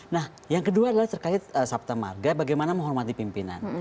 nah yang kedua adalah terkait sabta marga bagaimana menghormati pimpinan